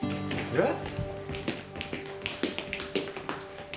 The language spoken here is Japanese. えっ？